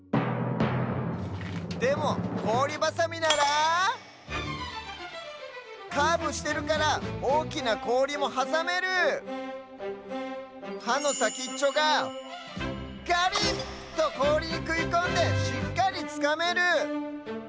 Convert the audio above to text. でもこおりバサミならカーブしてるからおおきなこおりもはさめる！はのさきっちょがガリッ！とこおりにくいこんでしっかりつかめる！